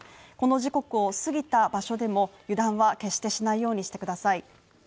この時刻を過ぎた場所でも油断は決してしないようにしてください。